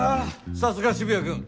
さすが渋谷くん。